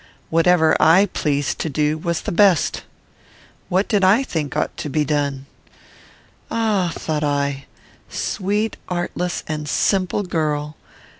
Whatever I pleased to do was the best. What did I think ought to be done? "Ah!" thought I, "sweet, artless, and simple girl!